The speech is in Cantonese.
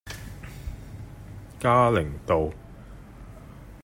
嘉齡道